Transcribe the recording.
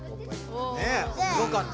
ねえすごかった。